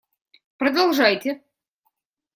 Продолжайте!